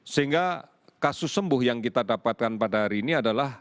sehingga kasus sembuh yang kita dapatkan pada hari ini adalah